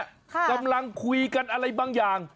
กำลังคุยกันอะไรบางอย่าง